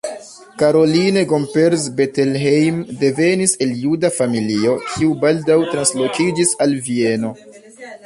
Caroline Gomperz-Bettelheim devenis el juda familio, kiu baldaŭ translokiĝis al Vieno.